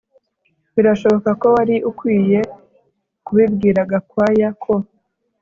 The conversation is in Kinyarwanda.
Birashoboka ko wari ukwiye kubibwira Gakwaya ko